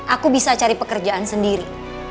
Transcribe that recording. aku bisa cari pekerjaan sendiri